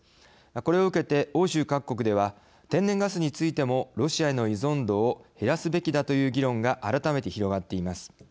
これを受けて欧州各国では天然ガスについてもロシアへの依存度を減らすべきだという議論が改めて広がっています。